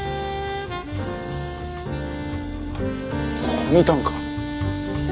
ここにいたんか？